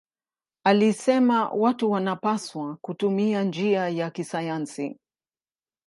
Alisema watu wanapaswa kutumia njia ya kisayansi.